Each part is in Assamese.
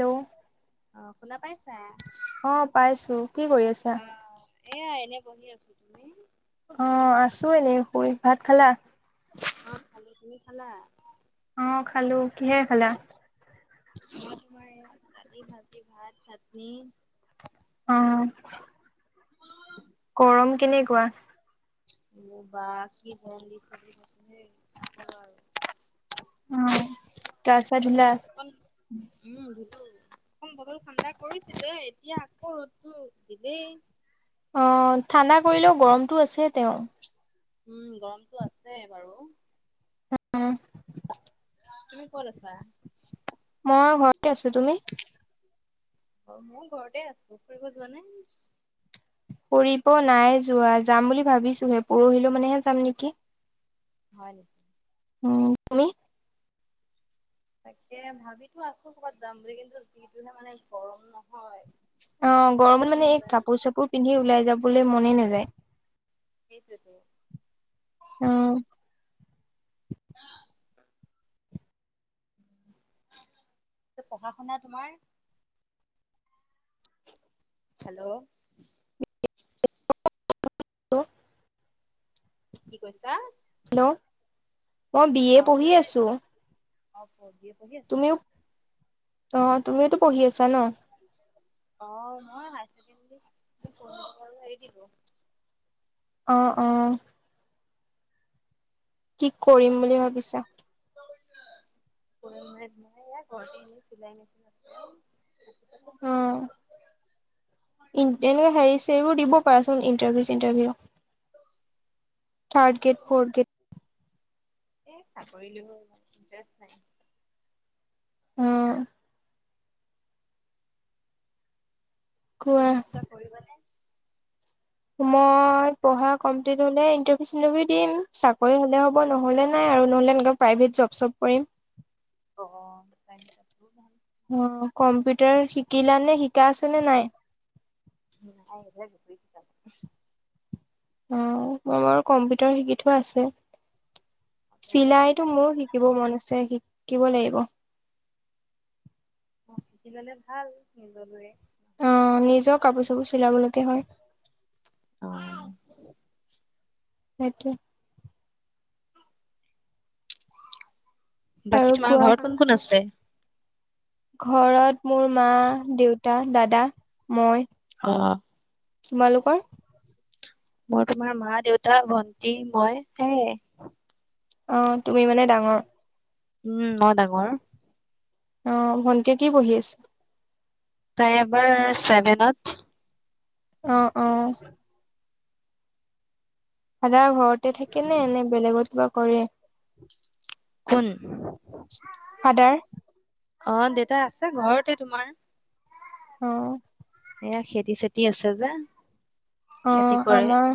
হেল্ল' অ, শুনা পাইছা? অ পাইছো কি কৰি আছা অ, এয়া এনে বহি আছো, তুমি? অ, আছো এনেই শুই, ভাত খালা? অ, খালো, তুমি খালা? অ, খালো, কিহে খালা? মই তোমাৰ, দালি, ভাজি, ভাত, চাটনি। অ, গৰম কেনেকুৱা? অ, বা কি গৰম দি অ গা ছা ধোলা? আম উম ধোলো অকন বতৰটো ঠাণ্ডা কৰিছিলে এতিয়া আকৌ ৰ'দতটো দিলেই অ ঠাণ্ডা কৰিলেও গৰমতটো আছে তেওঁ উম গৰমতটো আছে বাৰু তুমি কত আছা? মই ঘৰতে আছো তুমি? অ মই ঘৰতে আছো ফুৰিব যোৱা নাই? ফুৰিব নাই যোৱা যাম বুলি ভাবিছোহে পৰহিলেও মানেহে যাম নেকি, হয় নেকি অ তুমি তাকে ভাবিতো আছোঁ ক'ৰবাত যাম বুলি কিন্তু যিটোহে মানে গৰম নহয় অ গৰমত মানে এই কাপোৰ চাপোৰ পিন্ধি ওলাই যাবলৈ মনে নাযায়। [unintelligible] অ। [unintelligible] পঢ়া শুনা তোমাৰ। হেল্ল' [inaudible] কি কৈছা? হেল্ল' মই বি এ পঢ়ি আছো। অ বি এ পঢ়ি আছা। তুমিও অ তুমিওতো পঢ়ি আছা ন? অ মই হাই চেকেণ্ডেৰী পঢ়ি পেলাই এৰি দিলোঁ। অ অ কি কৰিম বুলি ভাবিছা? পঢ়ি পেলাই ইনে ভন্টি ইনেই চিলাই মেচিন আছে যে - [unintelligible] ইন্টাৰভিউ হেৰি চেৰি বোৰ দিব পাৰা চোন ইণ্টাৰভিউ চিনটাৰভিউ। Third grade fourth grade. এ চাকৰিলৈ মোৰ ইমান ইণ্টাৰেষ্ট নাই। উম। কোৱা তুমি কিবা কৰিবা নে? মই পঢ়া কমপ্লিট হ'লে ইণ্টাৰভিউ চিটাৰভিউ দিম চাকৰি হ'লে হ'ব। নহ'লে নাই আৰু নহ'লে এনেকে প্ৰাইভেট জব চব কৰিম। অ আছোঁ নহয়। অ কম্পিউটাৰ শিকিলা নে শিকা আছে নে নাই? [unintelligible] অ মই বাৰু কম্পিউটাৰ শিকি থোৱা আছে। চিলাইতো মোৰো শিকিব মন আছে শিকিব লাগিব। অ সিকি ল'লে ভাল নিজলৈৱে। অ নিজৰ কাপোৰ চাপোৰ চিলাব লৈকে হয়। অ। সেইটোৱে আৰু বাকী তোমাৰ কোৱা ঘৰত কোন কোন আছে? ঘৰত মোৰ মা দেউতা দাদা মই। অ'। তোমালোকৰ? মোৰ তোমাৰ মা দেউতা ভণ্টি মই সেয়ে। অ', তুমি মানে ডাঙৰ। উম, মই ডাঙৰ। অ', ভণ্টিয়ে কি পঢ়ি আছে? তাই এবাৰ চেভেনত। অ', অ'। দাদা ঘৰতে থাকে নে এনে বেলেগত কিবা কৰে? কোন? ফাদাৰ? অ', দেউতা আছে ঘৰতে তোমাৰ। অ'। এয়া খেতি চেতি আছে যে। খেতি অ', কৰে। আমাৰ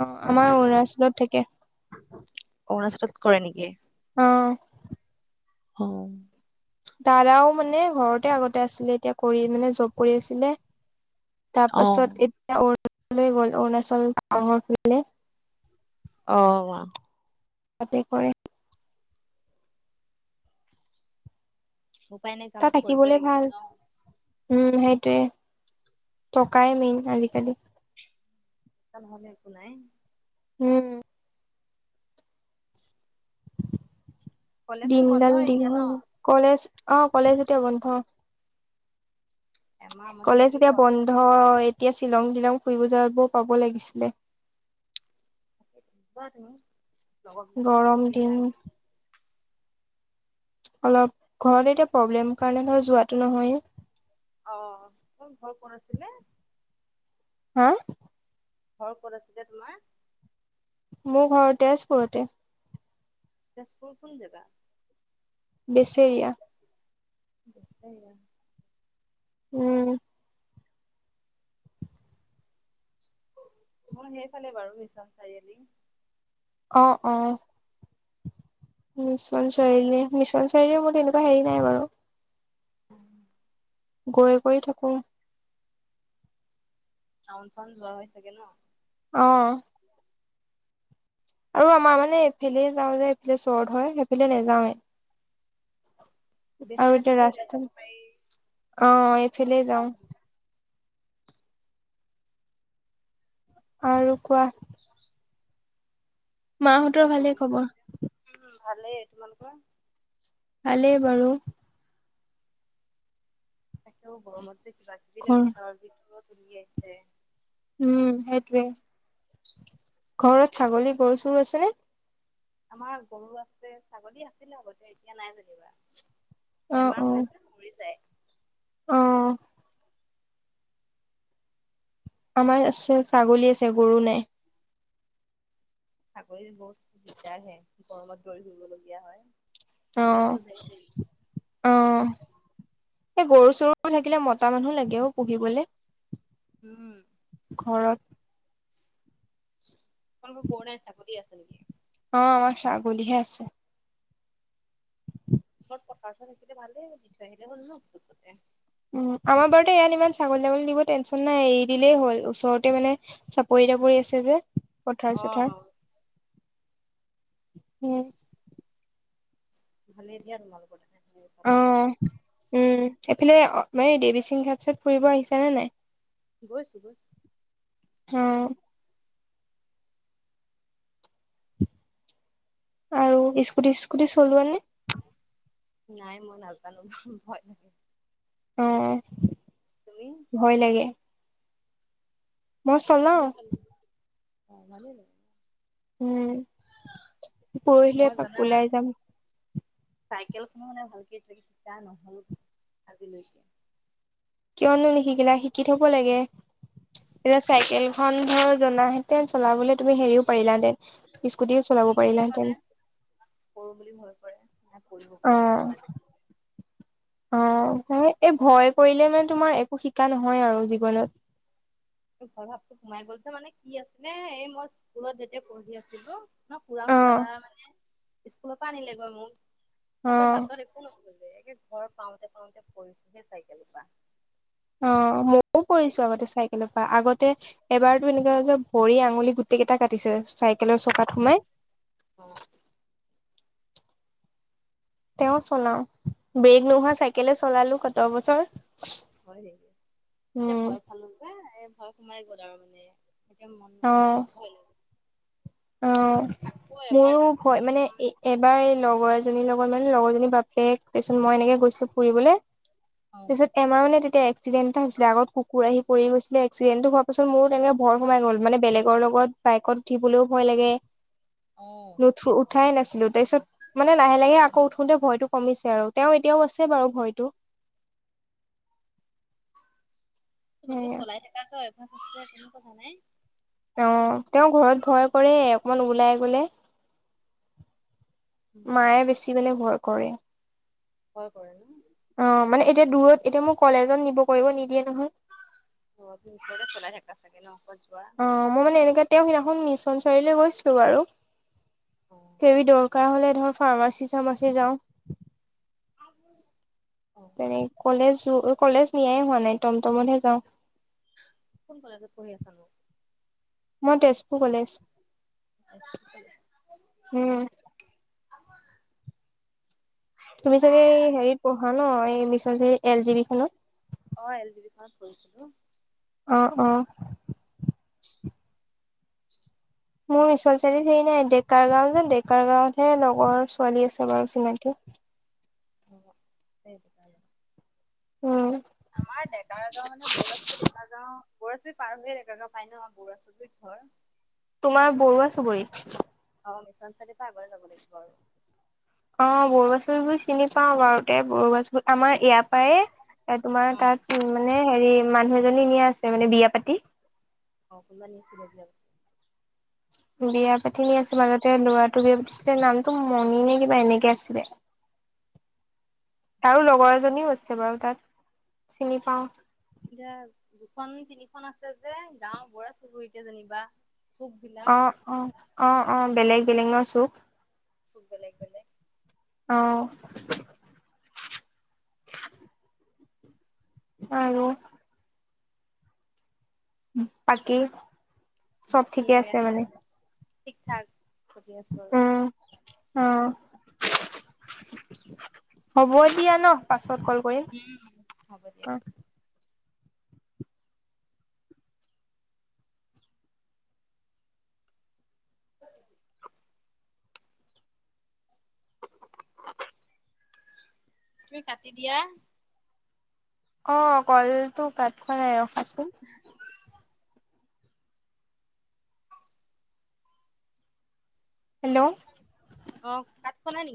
অ', আমাৰ অৰুণাচলত থাকে। অৰুণাচলত কৰে নেকি? অ'। অ'। দাদাও মানে ঘৰতে আগতে আছিলে এতিয়া কৰি মানে জব কৰি আছিলে তাৰপাছত এতিয়া অৰুণাচল গ'ল অৰুণাচল ডাৰ ফে অ'। তাতে কৰে। উপায় নাই তাত কামতো কৰিব থাকিবলে লাগিব ভাল, ন। উম সেইটোৱে টকাই মেইন আজিকালি। ভাল একো নাই। উম। [inaudible] দিনডাল দিন কলেজ অ', কলেজ এতিয়া বন্ধ। কলেজ এতিয়া বন্ধ এতিয়া শ্বিলং দিলং ফুৰিব যাব পাব লাগিছিলে। কোৱা তুমি। গৰম দিন। অলপ ঘৰত এতিয়া প্ৰব্লেম কাৰণে ধৰা যোৱাটো নহয়। অ', তোৰ ঘৰ ক'ত আছিলে? হা। ঘৰ ক'ত আছিলে তোমাৰ? মোৰ ঘৰতে তেজ পুৰতে। তেজপুৰ কোন যাগা? বেচেৰিয়া। বেচেৰিয়া। উম। মই সেইফালে বাৰু মিচন চাৰিআলি। অ', অ'। মিছন চাৰিআলি মিছন চাৰিআলি মোৰ তেনেকুৱা হেৰি নাই বাৰু। উম। গৈ কৰি থাকো। টাউন চাউন যোৱা হয় চাগে ন অ আৰু আমাৰ মানে এইফেলে যাওঁ যে এইফেলে চৰ্ত হয় সেইফালে নেযাওঁৱে। এতিয়া [unintelligible] উলাই ৰাস্তা যাব পাৰি অ এইফালে অ যাওঁ আৰু কোৱা [unintelligible] মাহঁতৰ এনেকুৱা ভালে গৰম খবৰ উমম ভালেই তোমালোকৰ ভালেই বাৰু তাকেও গৰমত যে কিবা কিবি ঘৰ লাগিছে আৰু [unintelligible] উম সেইটোৱে [unintelligible] ঘৰত ছাগলী গৰু চৰু আছে নে আমাৰ গৰু আছে ছাগলী আছিলে আগতে এতিয়া নাই যেনিবা অ বেমাৰ অ হৈছে মৰি যায় অ আমাৰ আছে ছাগলী আছে গৰু নাই। চাকৰি বহুত দিগদাৰ হে গৰমত দৌৰি ফুৰিব লগীয়া হয়। অ অ এই গৰু চৰু থাকিলে মতা মানুহ লাগে অ। পঢ়িবলে ঘৰত তোমালোকৰ গৰু নাই ছাগলী আছে নেকি অ আমাৰ ছাগলীহে আছে। স্কুলত ক পৰ্থ থাকিলে ভালে দি থৈ আহিলে হ'ল ন ওচতে উম আমাৰ বাৰুতে ইয়াত ইমান ছাগলী তাগলী দিব টেনচন নাই, এৰি দিলেই হ'ল। ওচৰতে মানে চাপৰি তাপৰি আছে যে। পথাৰ চথাৰ উম। ভালে দিয়া তোমালোকৰ তেনে উমহ, [unintelligible] এইফালে অ এই দেৱীসিংঘাট চাত ফুৰিব আহিছা নে নাই? গৈছো গৈছো উম আৰু স্কুটি চিস্কুটি চলোৱা নে? নাই মই নাজানো ভা ভয় লাগে। অ তুমি ভয় লাগে মই চলাও এনেই খালি অ ভালে লাগে উম, পৰহিলৈ মই এপাক জানা ওলাই যাম চাইকেল খনো মানে ভালকে এতিয়ালৈকে শিকা নহলগে আজিলৈকে। কিয়নো নিশিকিলা শিকি থব লাগে। এতিয়া চাইকেলখন ধৰ জনা হেতেন চলাবলৈ তুমি হেৰিও পাৰিলাহেঁতেন স্কুটিও চলাব পাৰিলাহেঁতেন। পৰো বুলি ভয় কৰে নাই পৰিব অ পৰিব নালাগে টো অ, এই ভয় কৰিলে মানে তোমাৰ একো শিকা নহয় আৰু জীৱনত। এই ভয় ভাৱটো সোমাই গ'ল যে মানে কি আছিলে এই মই স্কুলত যেতিয়া পঢ়ি আছিলো ন পোৰাক অ দাদা মানে স্কুলৰ পৰা আনিলেগৈ মোক অ তাপা বাটত একো একো নহল যে একে ঘৰ পাওঁতে পাওঁতে পৰিছোহে চাইকেলৰ পৰা। অ মোকো পৰিছো আগতে চাইকেলৰ পৰা আগতে এবাৰতো এনেকুৱা হৈছে ভৰি আঙুলি গোটেইকেইটা কাটিছে চাইকেলৰ চকাত সোমাই। অ তেওঁ চলাও ব্ৰেক নোহোৱা চাইকেলেই চলালো কত বছৰ উম খালো যে এ ভয় সোমাই গ'ল আৰু মানে এতিয়া মন অ নাযায় ভয় লাগে। অ মোৰো ভয় মানে এ এবাৰ এই লগৰ এজনীৰ লগত মানে লগৰজনীৰ বাপেক তাৰপিছত মই এনেকে গৈছো ফুৰিবলে অ আমাৰ মানে তেতিয়া এক্সিডেন এটা হৈছিলে আগত কুকুৰ আহি পৰি গৈছিলে এক্সিডেনটো হ তাৰ পাছত মোৰো তেনেকে ভয় সোমাই গল মানে বেলেগৰ লগত বাইকত উঠিবলৈও ভয় লাগে নুঠো উঠাই নাছিলো তাৰপিছত মানে লাহে লাহে আকৌ উঠোতে ভয়টো কমিছে আৰু তেওঁ এতিয়াও আছে বাৰু ভয়টো তোমালোকে চলাই থাকা ন অভ্যাস আছে কোনো কথা নাই। অ তেওঁ ঘৰত ভয় কৰে অকমান ওলাই গলে। মায়ে বেছি বোলে ভয় কৰে। ভয় কৰে ন অ মানে এতিয়া দূৰত এতিয়া মোক কলেজত নিব কৰিব নিদিয়ে নহয় অ তুমি মানে চলাই থকা চাগে ন কৰবাত যোৱা অ মই মানে এনেকোৱা তেও সেইদিনাখন মিছন চাৰিআলিলে গৈছিলো বাৰু কিবা দৰকাৰ কৰা হলে ধৰ ফাৰ্মাচী চাৰ্মাচী যাওঁ। [unintelligible] তেনে কলেজ কলেজ নিয়াই হোৱা নাই টমটমতহে যাওঁ। কোন কলেজত পঢ়ি আছা নো? মই তেজপুৰ কলেজ। উম [unintelligible] তুমি চাগে এই হেৰিত পঢ়া ন এই mission Chariali L G B খনত অ এল জি বিখনত পঢ়িছিলো। অ অ মোৰ মিছল চাৰিআলিত হেৰি নাই ডেকাৰ গাঁও যে ডেকাৰ গাঁওতহে লগৰ ছোৱালী আছে বাৰু চিনাকি অ সেইটো আৰু উম আমাৰ ডেকা গাঁও মানে বৰুৱাচোবুৰি ডেকা গাঁও। বৰুৱা চুবোৰি পাৰ হৈ ডেকাগাওঁ পায় নহ বৰুৱাচুবোৰিত ঘৰ তোমাৰ বৰুৱা চুবুৰীত। অ মিছন চাৰিআলিৰ পৰা আগলে যাব লাগিব আৰু অ বৰুৱা চুবুৰী চিনি পাওঁ বাৰু এ বৰুৱা চুবুৰী আমাৰ এইয়া পাইয়ে তোমাৰ তাত মানে হেৰি মানুহ এজনী নিয়া আছে মানে বিয়া পাতি। অ কোনোবা নিছিলে বোলে বিয়া পাতি নি আছে বাৱ ল'ৰাটো বিয়া পাতিছিলে নামটো মণি নে কিবা এনেকে আছিলে। তাৰো লগৰ এজনীও আছে বাৰু তাত চিনি পাওঁ। এতিয়া দুখন তিনিখন আছে যে গাওঁ বৰুৱা চুবুৰী এতিয়া যেনিবা। চুক বিলাক অ অ অ অ বেলেগ বেলেগ ন চুক? চব লাগিব নে? অ। আৰু। বাকী? চব বাকী ঠিকে আছে সেয়াহে মানে ঠিক ঠাক সধি আছো আৰু। উম অ। হ'ব দিয়া ন পাছত কল কৰিম অ। [unintelligible] তুমি কাটি দিয়া। অ কলটো কাত খোৱা নাই ৰখাচোন। [unintelligible] হেল্ল'। অ কাত খোৱা নাই নেকি?